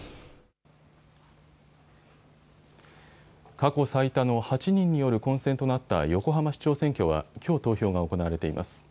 過去最多の８人による混戦となった横浜市長選挙はきょう投票が行われています。